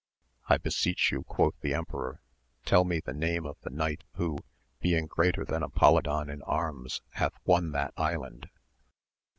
I beseech you, quoth the emperor, tell me the name of the knight who, being greater than Apolidon in arms, hath won that island.